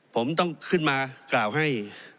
ผมต้องขึ้นมากล่าวให้